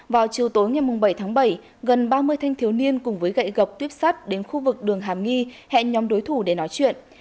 vào chiều tối ngày bảy tháng bảy gần ba mươi thanh thiếu niên cùng với gậy gọc tuyếp sắt đến khu vực đường hàm nghi hẹn nhóm đối thủ để nói chuyện